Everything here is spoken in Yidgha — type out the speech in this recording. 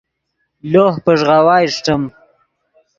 لوہ پݱغاؤا اݰٹیم